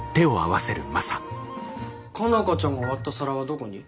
佳奈花ちゃんが割った皿はどこに？